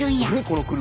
この車。